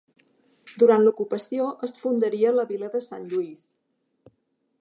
Durant l'ocupació es fundaria la vila de Sant Lluís.